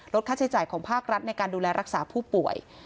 ค่าใช้จ่ายของภาครัฐในการดูแลรักษาผู้ป่วย